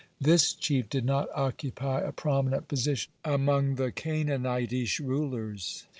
This chief did not occupy a prominent position among the Canaanitish rulers.